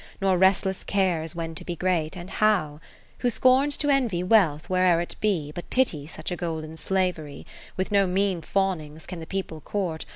Nor restless cares when to be great, and how ; Who scorns to envy wealth where'er it be, But pities such a golden slavery ; With no mean fawnings can the people court.